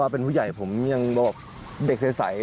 ผมก็เป็นผู้ใหญ่แต่เมื่อเด็กใส